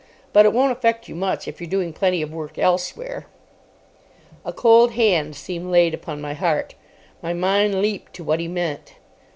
But it won't affect you much if you're doing plenty of work elsewhere." A cold hand seemed laid upon my heart. My mind leaped to what he meant.